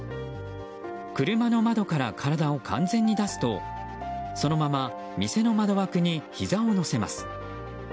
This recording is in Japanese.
車の窓から体を完全に出すとそのまま店の窓枠にひざを乗せます。